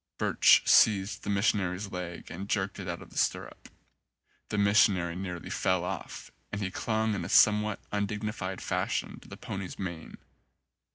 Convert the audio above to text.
Birch seized the mis sionary's leg and jerked it out of the stirrup; the missionary nearly fell off and he clung in a somewhat undignified fashion to the pony's mane.